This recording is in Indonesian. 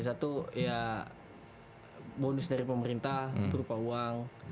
satu ya bonus dari pemerintah itu rupa uang